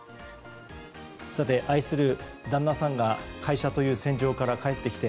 愛する旦那さんが会社という戦場から帰ってきて